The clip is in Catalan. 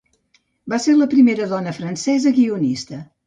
Va ser la primera dona francesa guionista.